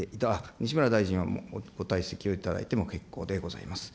西村大臣はご退席をいただいても結構でございます。